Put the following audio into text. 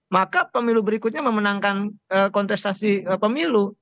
maka pemilu berikutnya memenangkan kontestasi pemilu